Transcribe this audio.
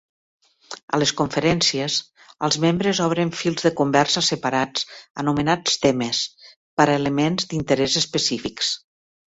A les conferències, els membres obren fils de conversa separats anomenats "temes" per a elements d'interès específics.